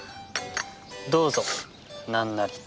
どうぞ何なりと。